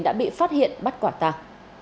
đã bị phát hiện bắt quả tạc